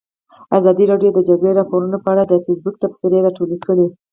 ازادي راډیو د د جګړې راپورونه په اړه د فیسبوک تبصرې راټولې کړي.